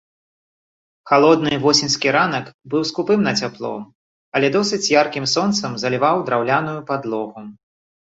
Халодны восеньскі ранак быў скупым на цяпло, але досыць яркім сонцам заліваў драўляную падлогу.